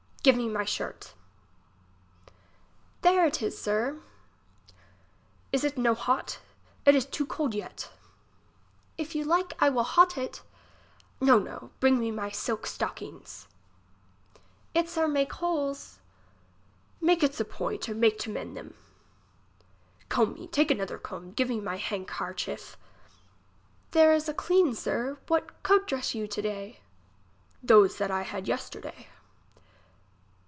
Give me my shirt. There is it sir. Is it no hot, it is too cold yet. If you like, I will hot it. No, no, bring me my silk stocking's. Its are make holes. Make its a point, or make to mend them. Comb me, take another comb. Give me my handkarchief. There is a clean, sir. What coat dress you to day ? Those that I had yesterday.